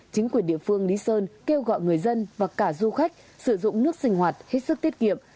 chính quyền địa phương lý sơn kêu gọi người dân và cả du khách sử dụng nước sinh hoạt hết sức tiết kiệm